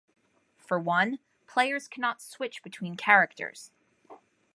For one, players cannot switch between characters.